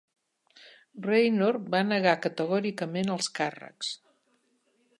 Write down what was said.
Raynor va negar categòricament els càrrecs.